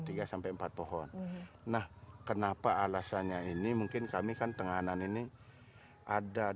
tiga sampai empat pohon nah kenapa alasannya ini mungkin kami kan tenganan ini ada hal hal yang tidak dapat dibutuhkan dari rumah